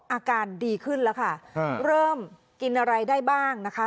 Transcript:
อาการดีขึ้นแล้วค่ะเริ่มกินอะไรได้บ้างนะคะ